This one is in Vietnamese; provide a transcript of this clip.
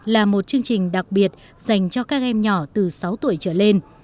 là một chương trình đặc biệt dành cho các em nhỏ từ sáu tuổi trở lên